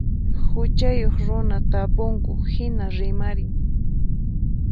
Huchayuq runa tapunku hina rimarin.